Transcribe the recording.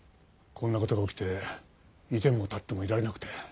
こんな事が起きていても立ってもいられなくて。